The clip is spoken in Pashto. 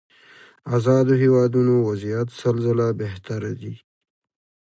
ازادو هېوادونو وضعيت سل ځله بهتره دي.